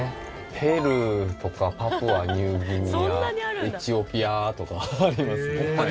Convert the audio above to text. ペルーとかパプアニューギニアエチオピアとかありますね。